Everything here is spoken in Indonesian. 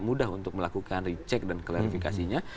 mudah untuk melakukan recheck dan klarifikasinya